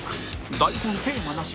台本テーマなし